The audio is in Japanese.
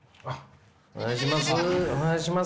お願いします。